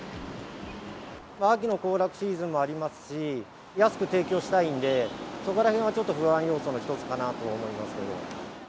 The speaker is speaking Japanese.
秋の行楽シーズンもありますし、安く提供したいんで、そこらへんはちょっと不安要素の一つかなと思いますけど。